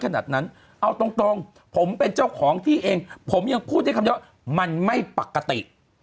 ขนาดนั้นเอาตรงผมเป็นเจ้าของที่เองผมยังพูดได้คำเดียวว่ามันไม่ปกติ